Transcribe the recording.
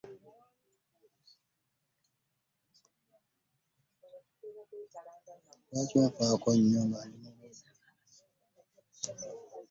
Lwaki onfaako nnyo nga ndi mulwade?